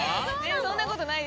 そんなことないです。